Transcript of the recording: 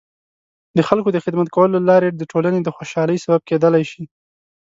د خلکو د خدمت کولو له لارې د ټولنې د خوشحالۍ سبب کیدلای شي.